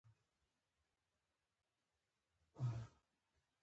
زه یوه جمله لیکم.